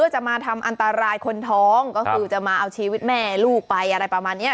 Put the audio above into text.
จะมาทำอันตรายคนท้องก็คือจะมาเอาชีวิตแม่ลูกไปอะไรประมาณนี้